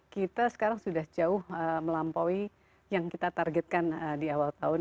kita sekarang sudah jauh melampaui yang kita targetkan di awal tahun